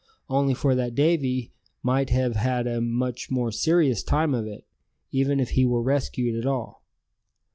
Only for that Davy might have had a much more serious time of it, even if he were rescued at all.